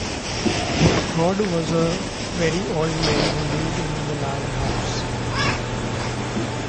The god was a very old man who lived in a large house.